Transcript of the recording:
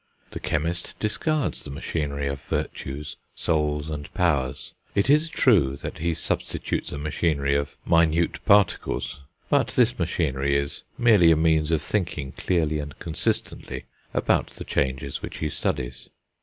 The chemist discards the machinery of virtues, souls, and powers. It is true that he substitutes a machinery of minute particles; but this machinery is merely a means of thinking clearly and consistently about the changes which he studies.